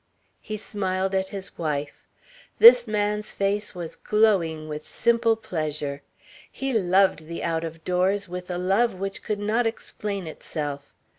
He smiled at his wife. This man's face was glowing with simple pleasure. He loved the out of doors with a love which could not explain itself.